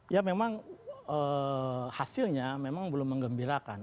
ya memang hasilnya memang belum mengembirakan